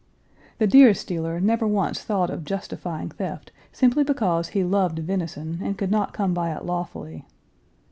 The deer stealer never once thought of justifying theft simply because he loved venison and could not come by it lawfully.